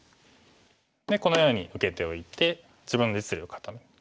でこのように受けておいて自分の実利を固める。